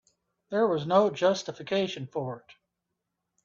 There was no justification for it.